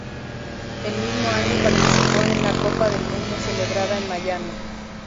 El mismo año participó en la Copa del Mundo celebrada en Miami.